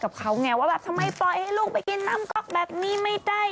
กับเขาไงว่าแบบทำไมปล่อยให้ลูกไปกินน้ำก๊อกแบบนี้ไม่ได้